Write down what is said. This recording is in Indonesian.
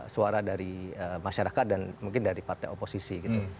suara dari masyarakat dan mungkin dari partai oposisi gitu